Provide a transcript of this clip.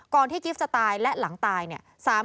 ที่กิฟต์จะตายและหลังตายเนี่ย